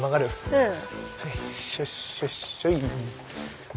うん。